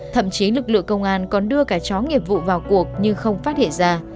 thậm chí lực lượng công an còn đưa cả chó nghiệp vụ vào cuộc nhưng không phát hiện ra